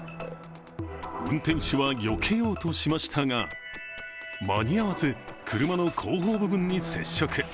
運転手はよけようとしましたが間に合わず車の後方部分に接触。